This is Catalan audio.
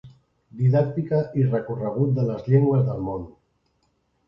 Didàctica i recorregut de les llengües del món.